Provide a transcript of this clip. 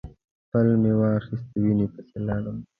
پل مې واخیست وینې پسې لاړم.